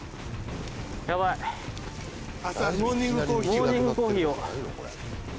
モーニングコーヒーを。